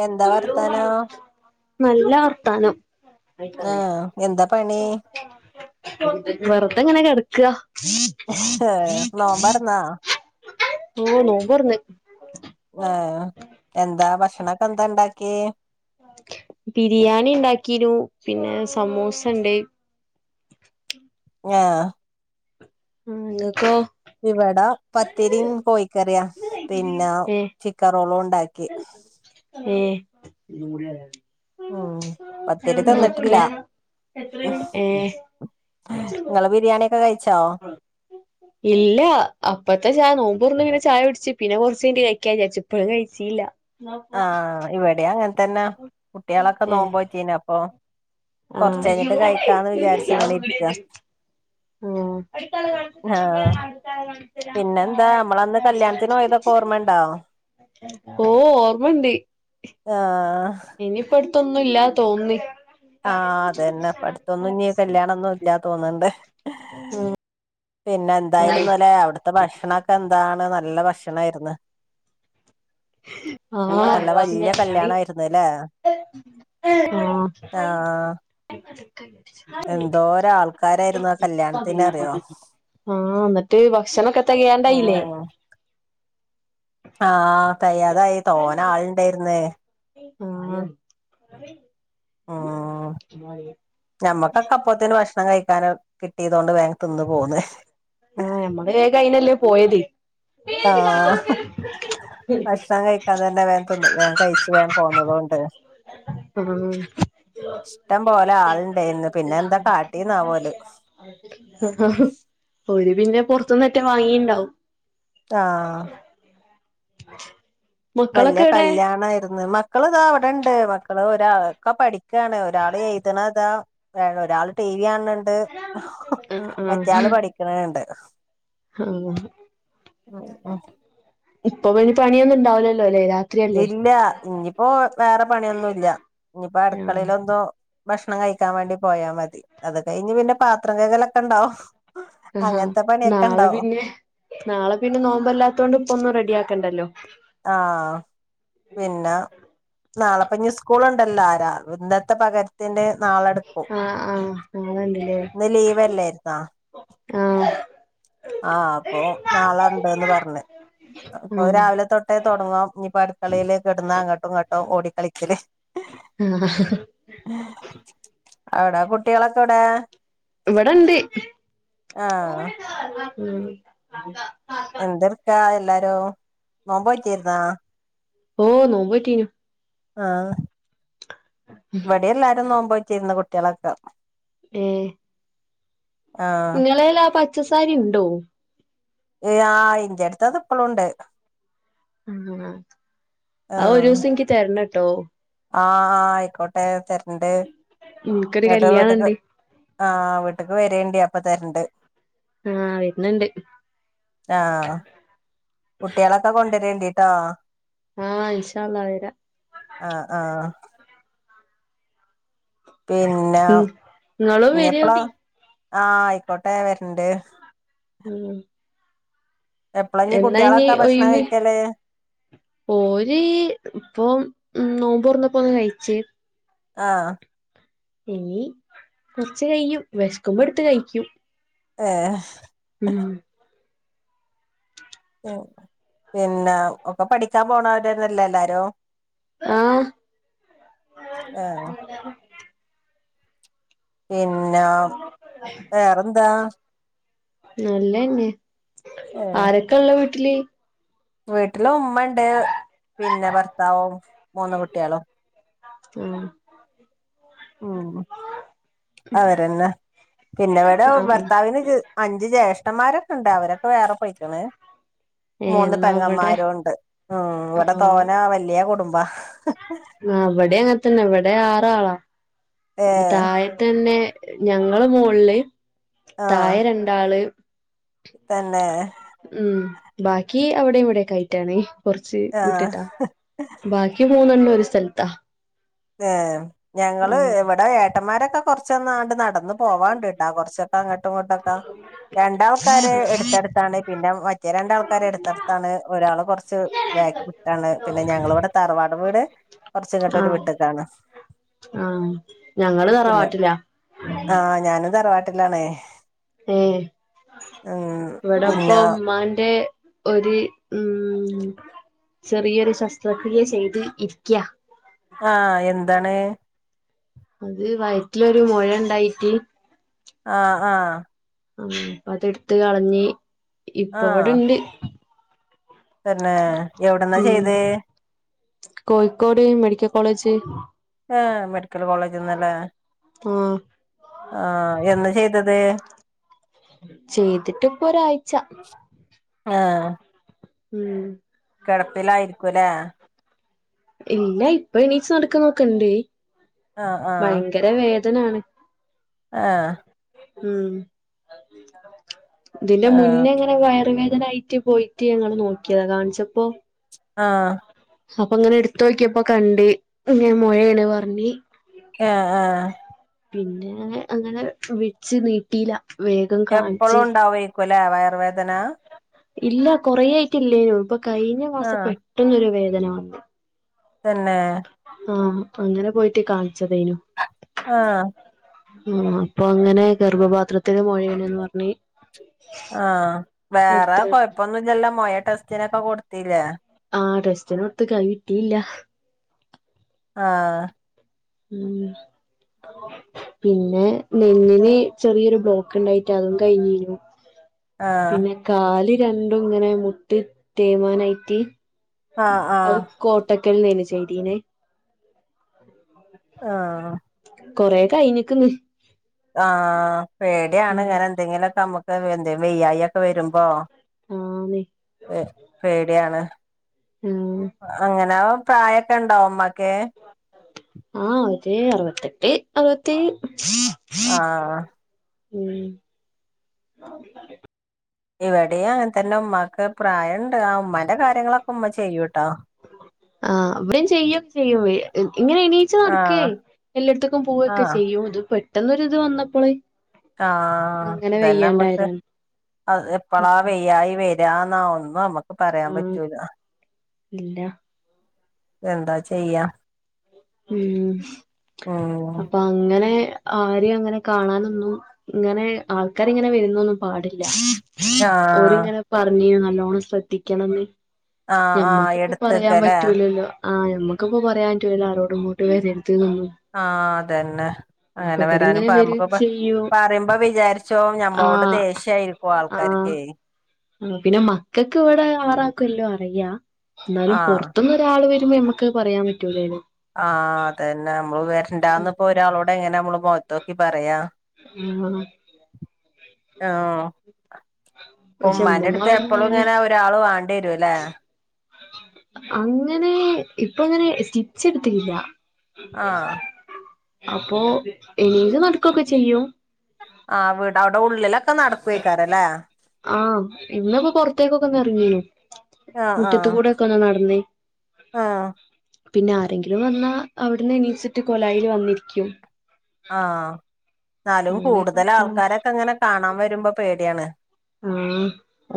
എന്താ വർത്താനം നല്ല വർത്താനം ആഹ് എന്താ പണി വെറുതേ ഇങ്ങനെ കിടക്ക ഏഹ് നോമ്പറന്നാ ഓ നോമ്പ്തൊറന്ന് ആ ബിരിയാണി ഉണ്ടാ‌ക്കിനു പിന്നെ സമൂസ ഇണ്ട് ആ ഉം നിങ്ങക്കൊ ഇവിടെ പത്തിരിയും കോഴിക്കറിയാ പിന്നെ ഏ ചിക്കൻറോളും ഉണ്ടാ ക്കി ഏ ഓ പത്തിരി തന്നിട്ടില്ല നിങ്ങക്ക് ഏ നിങ്ങള് ബിരിയാണിഒക്കെ കഴിച്ചോ ഇല്ല അപ്പത്തെ ഞാൻ നോബ് മുറിഞ്ഞ് ഇങ്ങനെ ചായ കുടിച്ച് പിന്നെ കുറച്ച് കഴിഞ്ഞിട്ട് കഴിക്കാന്ന് വിചരിച്ച് ഇപ്പോഴും കഴിച്ചില്ല ആ ഇവിടെ അങ്ങനെ തന്നെ കുട്ടികളൊക്കെ ഏ നോമ്പുനോറ്റിന് അപ്പൊ ആ കൊറച്ച് കഴിഞ്ഞിട്ട് കഴിക്കാന്ന് വിചാരിച്ച് ഇങ്ങനെ ഇരിക്ക ഉം സ ആഹ് പിന്നെന്താ നമ്മളന്ന് കല്യാണത്തിന് പോയതൊക്കെ ഓർമ്മ ഉണ്ടോ [unintelligible] ഓ ഓർമ്മ ഇണ്ട് ആ ഇനിയിപ്പ അടുത്തൊന്നും ഇല്ല തോന്നി ആഹ് അതന്നെ ഇപ്പ അടുത്തൊന്നും ഇനി കല്യാണൊന്നും ഇല്ലാന്ന് തോന്നണിണ്ട് ഉം പിന്നെ എന്തായിരുന്നു അല്ലെ അവിടത്തെ ഭക്ഷണൊക്കെ എന്താണ് നല്ല ഭക്ഷണായിരുന്ന് ആ കല്യാണായിരുന്നുല്ലേ ആ ആ എന്തോര ആൾക്കാരായിരുന്ന് ആ കല്യാണത്തിന് അറിയോ ആ എന്നിട്ട് ഭക്ഷണമൊക്കെ തികയാണ്ട് ആയില്ലേ ഉം ആഹ് തികയാതായി തോന ആള് ഇണ്ടായിരുന്നു ആ ഉം ഞമ്മക്കൊക്കെ അപ്പത്തേന് ഭക്ഷണം കഴി കക്കാന കിട്ടിയതുണ്ട്വ വേഗം തിന്ന് പോന്ന് ആഹ നമ്മള് വേഗം അയിനല്ലേ പോയത് ആഹ ഭക്ഷണം കഴിക്കാൻ തന്നെ വേൻ തിന്നു വേൻ കഴിച്ചു വേൻ പോന്നത ട്ട [unintelligible] ഉം ഹ് ഇഷ്ടം പോലെ ആളണ്ടന്ന് പിന്നെ എന്താ കാട്ടീന്നാവം ഓല് ര് പിന്നെ പൊറത്തുന്ന് ഒറ്റാ വാങ്ങിണ്ടാവും ആഹ വലിയ മക്കളൊക്കെ എവിടെ കല്യാണായിരുന്നു മക്കൾ ഇതാ അവിടെണ്ട് മക്കള് ഒരാൾക്കെ പഠിക്ക ാണ് ഒരാൾ എഴുതണതാ ഒരാൾ ട ണണ്ട് ആഹ് ആഹ് മറ്റാള് പഠിക്കണുണ്ട് ആഹ് ഉ ഉ ഇപ്പൊ ഇനി പിയൊന്നുംണ്ടാവില്ലല്ലോ ഇല്ല ഇനിയിപ്പോൊ വേറെ പണിയൊന്നും ഇല്ല ഇനിയിപ്പോ ആഹ് അടുക്കളയില എന്തോ ഭക്ഷണം കഴിക്കാൻ വേണ്ടി പോയാ മതി അത് കഴിഞ്ഞ് പിന്നെ പാത്രം കകലൊക്കെ ഉണ്ടാവും ആഹാ അങ്ങനത്തെ പണിയൊക്കെ നാളെ ഉണ്ടാവും പിന്നെ നാളെ പിന്നെ നോമ്പല്ലാത്ത കൊണ്ട് ഇപ്പ ഒന്നും റെഡി ആാക്കണ്ടല്ലോ ആഹ പിന്നെ നാളെപ്പഞ്ഞ സ്കൂൾ ഉ ല്ല ആാര ഇന്നത്തെ പകരത്തിന്റെ നാളെടുക്കും ആഹ് ആഹ് നാളെണ്ട്ല്ലേ ഇന്ന് ലീവ്ല്ലായിുന്നാ ആഹ ആഹ അപ്പൊ നാളെ ഉണ്ടന്ന് പറഞ്ഞേ അപ്പൊ ആഹ് രാവിലെ തൊട്ടേ തുടങ്ങും ഇനിയിപ്പോൊ അടുക്കളയിയില് കിടുന്ന അങ്ങോട്ടും ഇങ്ങോട്ടും ഓടിക്കളിക്കല് ഉം ഹ്ഹ് അവിടാ കുട്ടികളൊക്കെ എവിടെ ഇവിടണ്ട് ആഹ് എന്തർക്കാ എല്ലാരും നോമ്പറ്റിരുന്നാ ഓ നോമ്പോറ്റീനു ആഹ ഇവിടെ എല്ലാരും നോമ്പോറ്റിരുന്നു കുട്ടികളൊക്കെ ഏ ആഹ് നിങ്ങളെൽ ആ പച്ചസാരി ഉണ്ടോ ആ ഇൻ്റെ ടുത്ത് അത് ഇപ്പളുണ്ട് ആ ആ ഒരു ദിവസം എനിക്ക് തരണംട്ടോ ആഹ ആ് ആയിക്കോട്ടെ തരണ്ട് ഇൻക്കൊരു എന്നിട്ട് വീട്ട കല്യാണണ്ട് ആട്ട ഇക്ക് വരേണ്ടി അപ്പ തരണ്ട് ആഹ വരുന്നുണ്ട് ആഹ് കുട്ടികളൊക്കെ കൊണ്ടുവരേണ്ടിട്ടാ ആഹ് ഇൻഷാ അള്ളാ വരാ ആഹ ആഹ പിന്നെ ഉം ഇങ്ങളും ഞ്ഞിപ്പളാ വരോണ്ടി ആഹ ആയിക്കോട്ടെ വരണ്ട് ഉം എപ്പളാ ഇഞ്ഞ് എന്നാ ഇനി കുട്ട്യാളൊക്കെ ഭക്ഷണം ഒയ് കഴിക്കല് പോര് ഇപ്പൊ ഉ നോമ്പൂർന്നപ്പോ ഒന്ന് കഴിച്ചേ ആഹ ഇനികുറച്ച കഴിയും വിശക്കുമ്പോ എടുത്ത് കഴിക്കും ആഏ ഉം ഉ പിന്നെ ഒക്കെ പഠിക്കാൻ പോണവരന്നെല്ലെ എല്ലാരും ആഹ ആഹ് പിന്നെ വേറെന്താ നല്ലെന്നെ ആരൊക്കെള്ളെ വീട്ട്ല് വീട്ട്ല് ഉമ്മയ്ണ്ട് പിന്നെ ഭർത്താവും മൂന്ന് കുട്ടികളും ഊം ഊം അവരെന്നെ പിന്നെവടെ ആഹ് ആഹ് ഭർത്താവിന് ജ് അൻ ഞ്ച് ജ്യേഷ്ഠന്മാരൊക്കെണ്ട് അവരൊക്കെ വേറെ പോയ്ക്ക്ണ് ഏഹ് മൂന്ന് എന്നാ ഇവടെ പെങ്ങന്മാരൂണ്ട് ഉം ഇവ്ടെ ആഹ് തോനാ വല്യാ കുടുംബാ ആഹ് ഇവടീം അങ്ങൻത്തന്നെ ഇവടെ ആറാളാ ഏഹ് താഴെതെന്നേ ഞങ്ങള് മോൾല് തായെ രണ്ടാള് തന്നേ ഉം ബാക്കി അവിടെയും ഇവിടെയൊക്കായ്റ്റാണ് കൊർച്ച് ആഹ് വിട്ട്ട്ടാ ബാക്കി മൂന്നെണ്ണാെര് സ് സൽത്താ ഏഹ് ഞങ്ങള് വടെ ഏട്ടന്മാരൊക്കെ കൊർച്ചൊന്നാണ്ട് നട് നടന്ന് പോവാണ്ട്ട്ടാ കൊർച്ചൊക്കെ അങ്ങട്ടും ഇങ്ങോട്ടൊക്കാ രണ്ടാൾക്കാര് എട്ത്തെട്ത്താണ് പിന്നെ മറ്റേ രണ്ടാൾക്കാര് എടുത്തെട്ത്താണ് ഒരാള് കൊർച്ച് വേക്കാേട്ടാണ് പിന്നെ ഞങ്ങള്‌വടെ തറവാട് വീട് കൊർച്ച്ങ്ങട്ടൊര് വ് ആഹ് ആഹ് ഞങ്ങള് പിന്നെ തറവാട്ടിലാ ആഹ് ഞാനും തറവാ ട്ട്ലാണേ ഏഹ് ഇവ്ടപ്പൊ പിന്നെ മ്മാന്റെ ഒര് ഊം ചെറിയൊരു ശസ്ത്രക്രിയ ചെയ്ത് ഇരിക്ക്യാ ന്താണ് അത് വയറ്റിലൊരു മൊഴണ്ടായിട്ട് ആഹ് ആഹ് ആ അപ്പ അത് ഇട്ത്ത് കളഞ്ഞ് ഇപ്പൊ ഇവിടെണ്ട് തെന്നെ എവിട്ന്നാ ചെയ്തെ കോയ്ക്കോട് മെഡിക്കൽ കോളേജ് ആ മെഡിക്കൽ കോളേജ്ന്നല്ലേ ആഹ് ആ എന്നാ ചെയ്തത് ചെയ്തിട്ട്പ്പൊരാഴ്ച ഉം കെടപ്പിലായിരിക്കുംല്ലെ ഇല്ല ഇപ്പൊ എണീച്ച് നടക്ക്ന്നൊക്കെണ്ട് ആഹ് ഭയങ്കര വേദ തനാണ് ആ ഉം ഇതിന്റെ ആഹ് മുന്നേ ങ്ങനെ വയറുവേദനായിട്ട് പോയിറ്റ് ഞങ്ങള് നോക്ക്യേതാ കാണിച്ചപ്പോ ആ അപ്പൊ ങ്ങനെ എട്ത്തോക്ക്യപ്പോ കണ്ട് ങ്ങനെ മൊഴേണ് പർഞ്ഞ് ആ ആ പിന്നെ അങ്ങനെ വെച്ച് നീട്ടില എപ്പളും ണ്ടാവേക്കുലെ വയറ് വേദന ഇല്ല കൊറേ ആയിട്ടില്ലേനു ഇപ്പൊ കഴിഞ്ഞ മാസം ആഹ് പെട്ടെന്നൊരു വേദന തെന്നെ ആഹ് അങ്ങനെ പോയിട്ട് കാൺച്ചതേനു ആ ഉഉം അപ്പൊ അങ്ങനെ ഗർഭപാത്രത്തില് മൊഴേണ്ന്ന് പർഞ്ഞ് ആ വേറെ കൊയപ്പൊന്നുല്ലല്ലോ മൊയ ടെസ്റ്റിനൊക്കെ കൊടുത്തിലേ ആഹ് ടെസ്റ്റിന് കൊടുത്തുക്കാ അത് കിട്ടീല്ല ആഹ് ഉം പിന്നെ നെഞ്ഞിന് ചെറിയൊരു ബ്ലോക്ക് ഇണ്ടായിട്ട് അതും കഴിഞ്ഞിരുന്നു ആഹ് പിന്നെ കാല് രണ്ടും ഇങ്ങനെ മുട്ട് തേയ്മാനായിട്ട് ആഹ് ആഹ് ഇന്നതി ചെയ്തീനെ ആഹ കൊറ കയ്യ്ഞ്ഞേക്കന് ആഹ പേടയാണ് ഇങ്ങനെ എന്തെങ്കിലൊക്കെ നമ്മുക്ക് എന്ത വെയ്യായി ഒക്കെ വരുമ്പോ ആന്ന് പേടിയാണ് ആഹ് അങ്ങനെ പ്രായമൊക്കെ ഉണ്ടാവുംഉമ്മ ആ അവര് അറുപത്തെട്ട് അറുപത്തി ആഹ ഉം ഇവിടെയും അങ്ങനെ തന്നെ ഉമ്മാക്ക് പ്രായം ഉണ്ട് ആ ഉമ്മാന്റെ കാര്യങ്ങളൊക്കെ ഉമ്മ ചെയ്യൂട്ടോ ആ അവരും ചെയ്യും ചെയ്യും ഇങ്ങനെ എണീച്ച നടക്കയേ ആഹ് എല്ലായിടത്തേക്കും പൂവൊക്കെ ആഹ് ചെയ്യും അയ്യോ ഇത് പെട്ടെന്നൊരു ഇത് വന്നപ്പോളേ ആഹ അതന്നെ നമ്മുക്ക് എപ്പളാ വ്യായി വ ന്നാ ഒന്നും നമ്മുക്ക് പറയാൻ ആഹ് പറ്റൂല ഇല്ല എന്താ ചെയ്യാം ഉം ഉം അപ്പൊ അങ്ങനെ ആരും അങ്ങനെ കാണാനൊന്നും ഇങ്ങനെ ആൾക്കാരി ഇങ്ങനെ വരുന്നൊന്നും പാടില്ല ആഹ് ഓരിങ്ങനെ പറഞ്ഞേ നല്ലോണ്ണം ശ്രദ്ധിക്കണന്ന്. ആഹ് ആഹ് ഞമ്മക്കിപ്പൊ പറയാൻ എടുത്തക്കല്ലേ പറ്റൂലല്ലോ ആ ഞമ്മക്കിപ്പപ്പോ പറയാൻ പറ്റൂലോ ആരോട് ഇങ്ങോട്ട് വര ആഹ അതന്നെ അപ്പൊ അങ്ങനെ വരാനും ഇവരിങ്ങനെ വരും നമുക്ക് ചെയ്യും പറയുമ്പോ വിചാരിച്ചോ ഞമ്മളോട് ആഹ് ദേഷ്യായിരിക്കും ആഹ് ആൾക്കാരക്ക് ആ പിന്നെ മക്കൾക്ക് ഇവിടെ ആറാക്കുമല്ലോ അറിയ എന്നാലും ആഹ് പുറത്തന്ന് ഒരാൾ ഇ നമുക്ക് പറയാൻ പറ്റൂല്ലന്ന് ആഹ അത തന്നെ നമ്മള് വരണ്ടാന്നപ്പോ ഒരാളോട് എങ്ങനെ നമ്മള് മുഖത്തോക്കി പറയാം ആഹ ആ പക്ഷെ ഉമ്മാന്റെ ഉമ്മമ്മ അടുത്ത് അവിടുന്ന് എപ്പോഴും അങ്ങനെ ഇങ്ങനെ ഒരാൾ വാണ്ട വരൂല്ല അങ്ങനെ ഇപ്പ അങ്ങനെ സ്റ്റിച്ച് എടുത്തിട്ടില്ല ആഹ അപ്പൊ എണിറ്റു നടക്കൊക്കെ ചെയ്യൂ ഒക്കെ നടക്കുവയക്കാറല്ലേ ആഹ ഇന്നിപ്പോ പുറത്തേക്കൊക്കെ ഇറങ്ങീനു ആഹ് മുറ്റത്ത് ആഹ് കൂടൊക്കെ ഒന്നാ നടന്നേ ആഹ് പിന്നെ ആരെങ്കിലും വന്നാ അവിടുന്ന് എനീച്ചിട്ട് കോലായിൽ വന്നിരിക്കും എന്നാലും അങ്ങനെയൊക്കെ കൂടുതൽ വർത്താനം ആൾക്കാരൊക്കെ ഇങ്ങനെ കാണാൻ വരുമ്പോ പേടിയാണ് ആഹ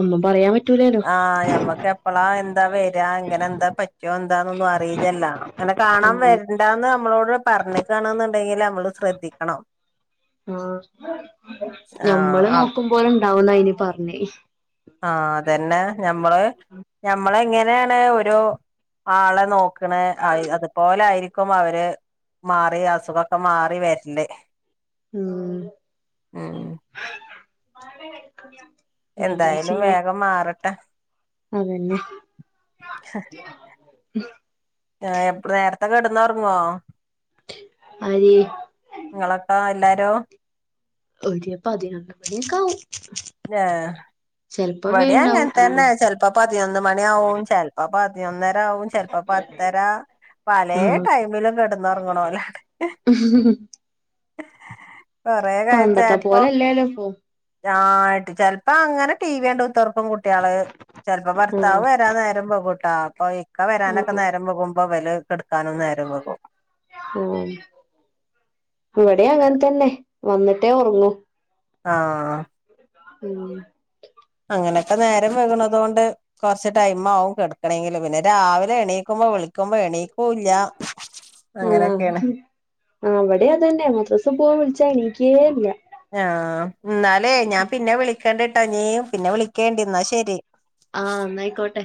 ഒന്നും പറയാൻ പറ്റൂല ആഹഞമ്മക്ക് എപ്പളാ എന്താ വരാ ഇങ്ങനെ എന്താ പറ്റുവോ എന്താന്നൊന്നും അറിയിതല്ല അങ്ങനെ ആ കാണാൻ വരണ്ടന്ന് നമ്മളോട് പറഞ്ഞക്കണ എന്നുണ്ടെങ്കിൽ നമ്മള് ശ്രദ്ധിക്കണം മ്മ് ആഹ് ഞമ്മള് ആഹ് നോക്കുമ്പോല ഇണ്ടാവന്ന അയിനി പറഞ്ഞേ ആ അതന്നെ ഞമ്മള് ഞമ്മള എങ്ങനെ യാണ് ഒരു ആളെ നോക്കണ അത്പലെ ആരി ക്കും അവര് മാറി അസുഖൊക്കെ മാറി വരല് ഉം [unintelligible] [unintelligible] എന്തായാലും ചെയ്യ വേഗം മാറട്ടെ അതന്നെ ആ എപ്പ നേരത്തെക്കെ ഇടന്ന ഉറങ്ങോ ആര് [inaudible] [unintelligible] ഒടെിയപ്പാതി ന മണിയക്കാവ ഏ വട അങ്ങന വേണ്ടാവും അല്ല തന്നെ ചിലപ്പോ പതിനൊന്ന് മണിാവും ചിലപ്പ പ [unintelligible] ചെിലപ്പോ പത്തര പല ആഹ് ടൈമിലും കിടന്ന് ഇറങ്ങണല്ലടെ ഉം കൊറെ കഴിച്ചപ്പൊ പോലെല്ലല്ലോ ഇപ്പൊ ആ ആട്ട് ചെപ്പോ അങ്ങനെ ടി വിണ്ട ഇപ്പം കുട്ടികള് ചിലപ്പോ ആഹ് ഭർത്താവ് വരാൻ നേരം പോ കൂട്ടാപ്പ ക്ക വരാനൊക്കെ ആഹ് നേരം പോകുമ്പോ വില കെടുക്കാനും നേരം വകും അവിടെ അങ്ങനെത്തന്നെ വന്നിട്ടേ ഉറങ്ങൂ ആഹ് ഉം അങ്ങനൊക്കെ നേരം വെകണത കൊണ്ട് കുറച്ച് ടൈം ആവുംും കെക്കണെങ്കിൽ പിന്നെ രാവിലെ എണീക്കുമ്പോ എനിക്കുല്ല അങ്ങനെയൊക്കെയാണ് ആ അവിടെ അതന്നെ മത്ര ദിവസം പോവാൻ വിളിച്ചാ എനിക്കേ ഇല്ല ആ എന്നാലേ ഞാൻ പിന്നെ വിളിക്കേണ്ടിട്ടാ നീ പിന്നെ വിളിക്കേണ്ടിന്നാ ശെരി ആ എന്നന്നയിക്കോട്ടെ